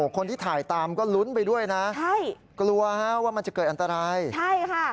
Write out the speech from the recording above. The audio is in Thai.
คนที่ถ่ายตามก็ลุ้นไปด้วยนะใช่กลัวฮะว่ามันจะเกิดอันตรายใช่ค่ะ